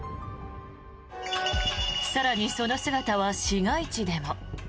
更にその姿は市街地でも。